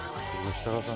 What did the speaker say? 設楽さん